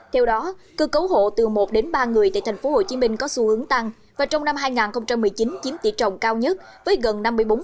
theo đó cơ cấu hộ từ một đến ba người tại thành phố hồ chí minh có xu hướng tăng và trong năm hai nghìn một mươi chín chiếm tỷ trọng cao nhất với gần năm mươi bốn